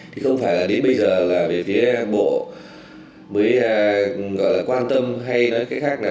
thì không phải là đến bây giờ là về phía bộ mới quan tâm hay nói cái khác là